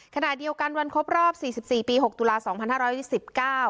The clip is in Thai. ขณะเดียวกันวันครบรอบ๔๔ปี๖ตุลาปร์๒๕๑๙